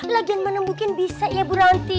lagi yang menembukin bisa ya bu ranti